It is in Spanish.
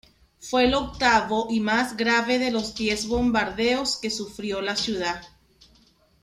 Fue el octavo y más grave de los diez bombardeos que sufrió la ciudad.